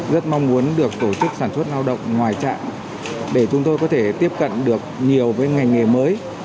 rất mong muốn được tổ chức sản xuất lao động ngoài trạm để chúng tôi có thể tiếp cận được nhiều với ngành nghề mới